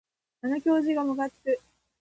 あの教授がむかつく